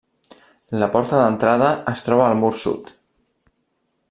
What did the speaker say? La porta d'entrada es troba al mur sud.